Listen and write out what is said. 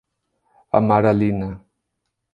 Amaralina